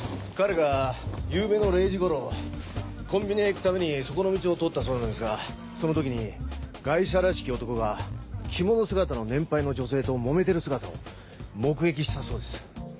彼がゆうべの０時ごろコンビニへ行くためにそこの道を通ったそうなんですがそのときにガイシャらしき男が着物姿の年配の女性ともめてる姿を目撃したそうです。